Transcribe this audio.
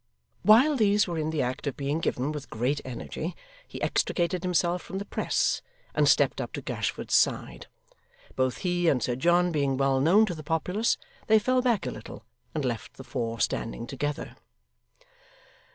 While these were in the act of being given with great energy, he extricated himself from the press, and stepped up to Gashford's side. Both he and Sir John being well known to the populace, they fell back a little, and left the four standing together.